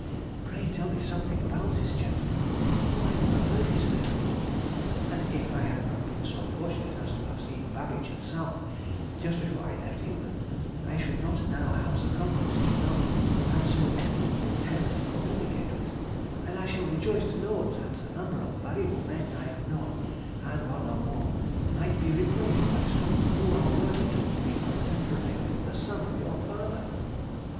Pray tell me something about this gentleman, for I never heard his name before, and if I had not been so fortunate as to have seen Babbage and South just before I left England, I should not now have the comfort to know you had so estimable friends to communicate with; and I shall rejoice to know that the number of valuable men I have known, and are no more, might be replaced by some who are worthy to be contemporary with the son of your father!